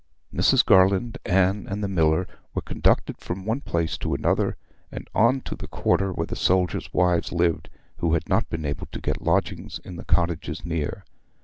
Mrs. Garland, Anne, and the miller were conducted from one place to another, and on to the quarter where the soldiers' wives lived who had not been able to get lodgings in the cottages near.